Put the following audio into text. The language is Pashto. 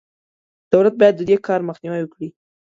دولت باید د دې کار مخنیوی وکړي.